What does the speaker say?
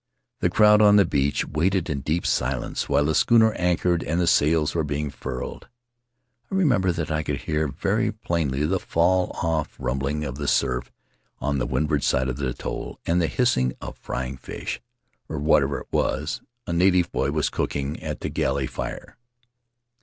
The crowd on the beach waited in deep silence while the schooner anchored and the sails were being furled. I remember that I could hear very plainly the far off rumbling of the surf on the windward side of the atoll and the hissing of frying fish, or whatever it was, a native boy was cooking at the galley fire.